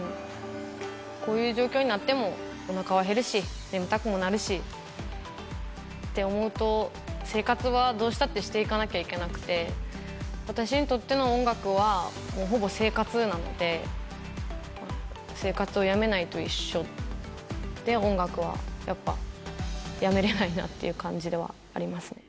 こういう状況になっても、おなかは減るし、眠たくもなるしって思うと、生活はどうしたってしていかなきゃいけなくて、私にとっての音楽は、ほぼ生活なので、生活をやめないのと一緒って、音楽は、やっぱやめれないなっていう感じではありますね。